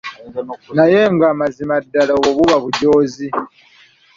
Naye nga mazima ddala obwo buba bujoozi.